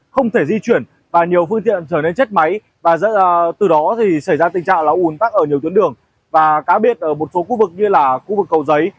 không thể di chuyển và nhiều phương tiện trở nên chết máy và từ đó xảy ra tình trạng là un tắc ở nhiều tuyến đường và cá biệt ở một số khu vực như là khu vực cầu giấy